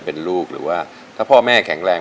พ่อผมจะช่วยพ่อผมจะช่วยพ่อผมจะช่วย